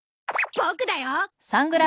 ボクだよ！